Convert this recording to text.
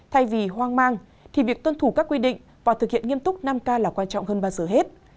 thay vì hoang mang thì việc tuân thủ các quy định và thực hiện nghiêm túc năm k là quan trọng hơn bao giờ hết